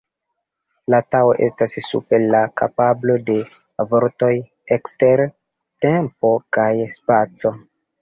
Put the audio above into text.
La Tao estas super la kapablo de vortoj, ekster tempo kaj spaco.